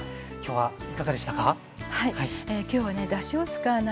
はい。